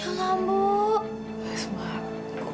ambu ambu ya allah ambu